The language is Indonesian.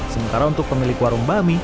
sementara untuk pemilik warung bakmi